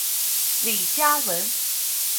李嘉文。